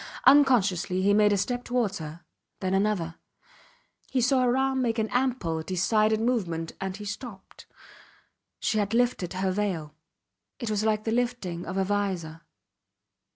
Unconsciously he made a step towards her then another. He saw her arm make an ample, decided movement and he stopped. She had lifted her veil. It was like the lifting of a vizor.